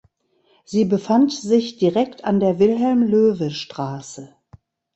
Sie befand sich direkt an der Wilhelm Loewe-Straße.